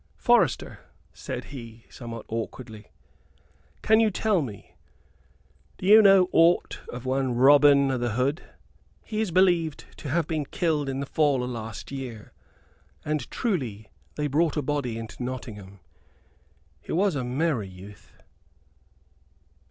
"Forester," said he, somewhat awkwardly, "can you tell me do you know aught of one Robin o' th' Hood? He is believed to have been killed in the fall o' last year, and truly they brought a body into Nottingham. He was a merry youth."